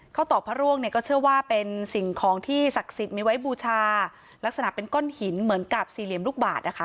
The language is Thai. ตอกพระร่วงเนี่ยก็เชื่อว่าเป็นสิ่งของที่ศักดิ์สิทธิ์มีไว้บูชาลักษณะเป็นก้อนหินเหมือนกับสี่เหลี่ยมลูกบาทนะคะ